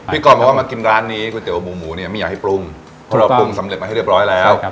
ก่อนบอกว่ามากินร้านนี้ก๋วหมูหมูเนี่ยไม่อยากให้ปรุงเพราะเราปรุงสำเร็จมาให้เรียบร้อยแล้ว